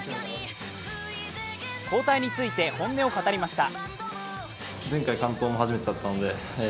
交代について本音を語りました。